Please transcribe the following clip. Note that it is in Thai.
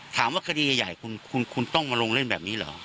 ถามว่าคดีใหญ่คุณต้องมาลงเล่นแบบนี้เหรอ